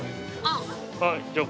じゃあ。